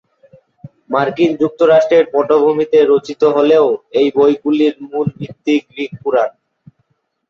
মার্কিন যুক্তরাষ্ট্রের পটভূমিতে রচিত হলেও এই বইগুলির মূল ভিত্তি গ্রিক পুরাণ।